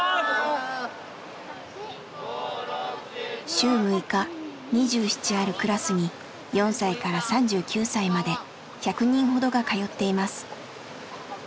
週６日２７あるクラスに４歳から３９歳まで１００人ほどが通っています。